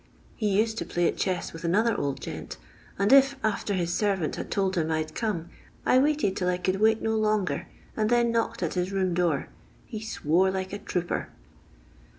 He used to play at chess with another old gent, and if, after his servant had told him I 'd come, I waited 'til I could wait no longer, and then knocked at his room door, he swore like a trooper.